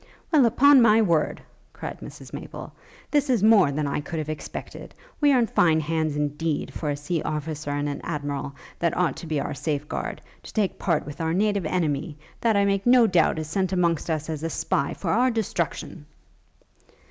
'Well, upon my word,' cried Mrs Maple, 'this is more than I could have expected! We are in fine hands, indeed, for a sea officer, and an Admiral, that ought to be our safe guard, to take part with our native enemy, that, I make no doubt, is sent amongst us as a spy for our destruction!'